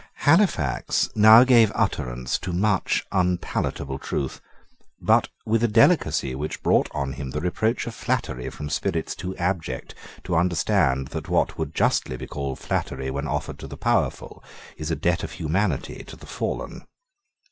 Halifax now gave utterance to much unpalatable truth, but with a delicacy which brought on him the reproach of flattery from spirits too abject to understand that what would justly be called flattery when offered to the powerful is a debt of humanity to the fallen.